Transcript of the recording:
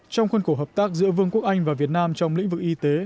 trong khuôn cổ hợp tác giữa vương quốc anh và việt nam trong lĩnh vực y tế